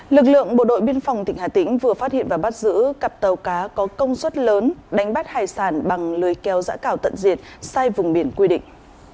lực lượng bộ đội biên phòng tỉnh hà tĩnh vừa phát hiện và bắt giữ cặp tàu cá có công suất lớn đánh bắt hải sản bằng lưới kéo giã cào tận diệt sai vùng biển quy định